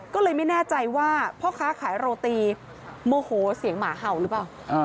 ก็เลยไม่แน่ใจว่าพ่อค้าขายโรตีโมโหเสียงหมาเห่าหรือเปล่า